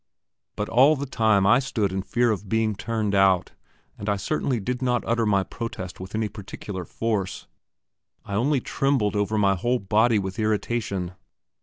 But all the time I stood in fear of being turned out, and I certainly did not utter my protest with any particular force; I only trembled over my whole body with irritation.